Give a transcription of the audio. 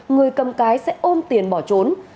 người cầm cái sẽ ôm tiền bỏ trốn